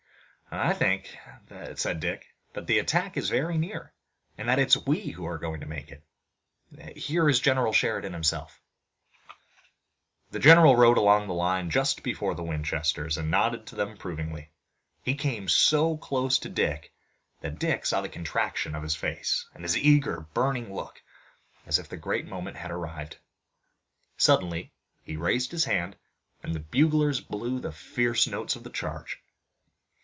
"I think," said Dick, "that the attack is very near, and that it's we who are going to make it. Here is General Sheridan himself." The general rode along the line just before the Winchesters and nodded to them approvingly. He came so close that Dick saw the contraction of his face, and his eager burning look, as if the great moment had arrived. Suddenly, he raised his hand and the buglers blew the fierce notes of the charge.